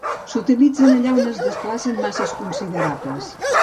S'utilitzen allà on es desplacen masses considerables.